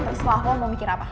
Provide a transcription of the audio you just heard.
terselah lo mau mikir apa